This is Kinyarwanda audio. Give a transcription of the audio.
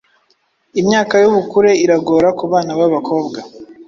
imyaka y'ubukure iragora kubana babakobwa